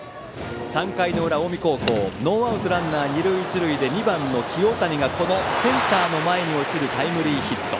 ３回の裏、近江高校ノーアウトランナー、二塁一塁で２番の清谷がセンターの前に落ちるタイムリーヒット。